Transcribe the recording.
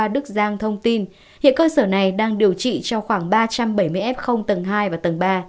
đức giang thông tin hiện cơ sở này đang điều trị cho khoảng ba trăm bảy mươi f tầng hai và tầng ba